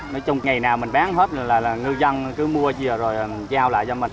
nói chung ngày nào mình bán hết là ngư dân cứ mua về rồi giao lại cho mình